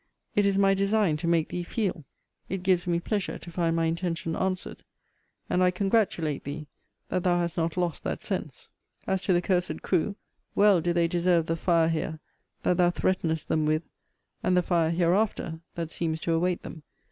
It is my design to make thee feel. It gives me pleasure to find my intention answered. And I congratulate thee, that thou hast not lost that sense. As to the cursed crew, well do they deserve the fire here, that thou threatenest them with, and the fire hereafter, that seems to await them.